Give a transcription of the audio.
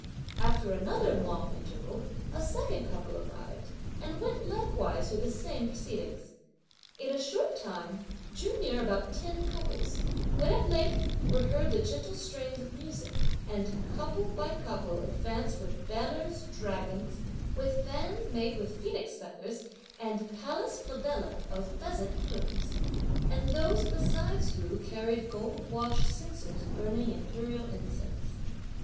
After another long interval, a second couple arrived, and went likewise through the same proceedings. In a short time, drew near about ten couples, when, at length, were heard the gentle strains of music, and couple by couple advanced with banners, dragons, with fans made with phoenix feathers, and palace flabella of pheasant plumes; and those besides who carried gold washed censers burning imperial incense.